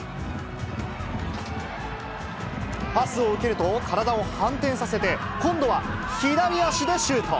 パスを受けると、体を反転させて、今度は左足でシュート。